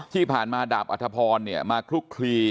ที่ผ่านมาดาบอัธพรมาคลุกคลี